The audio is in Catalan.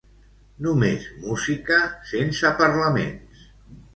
Només música, sense parlaments.